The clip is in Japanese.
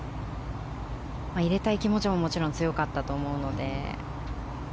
入れたい気持ちももちろん強かったと思うので。